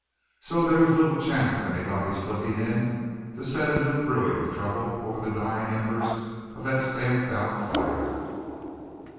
So there was little chance of anybody slipping in to set a new brewing of trouble over the dying embers of that stamped out fire.